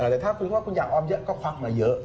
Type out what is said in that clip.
แต่ถ้าคุณคิดว่าคุณอยากออมเยอะก็ควักมาเยอะ